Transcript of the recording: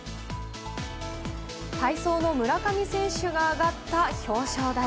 体操の村上選手が上がった表彰台。